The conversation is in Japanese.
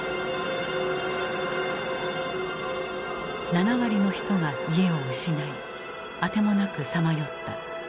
７割の人が家を失い当てもなくさまよった。